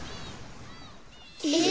え！？